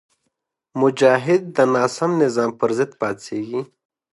مجاهد د ناسم نظام پر ضد پاڅېږي.